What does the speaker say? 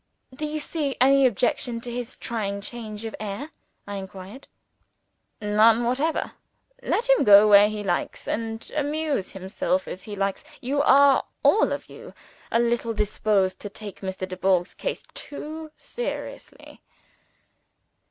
"Do you see any objection to his trying change of air?" I inquired. "None, whatever! Let him go where he likes, and amuse himself as he likes. You are all of you a little disposed to take Mr. Dubourg's case too seriously.